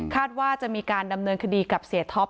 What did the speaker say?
ว่าจะมีการดำเนินคดีกับเสียท็อป